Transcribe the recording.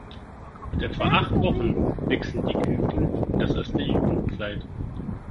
Mit etwa acht Wochen wechseln die Küken in das erste Jugendkleid.